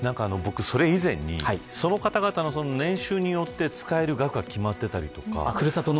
それ以前にその方々の年収によって使える額が決まっていたりとか。